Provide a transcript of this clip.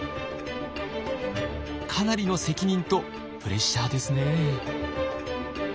かなりの責任とプレッシャーですね。